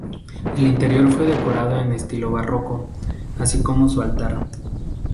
El interior fue decorado en estilo barroco, así como su altar.